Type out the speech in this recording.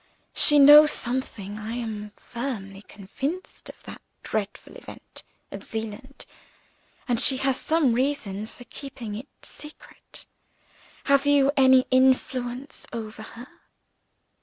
She knows something, I am firmly convinced, of that dreadful event at Zeeland and she has some reason for keeping it secret. Have you any influence over her?"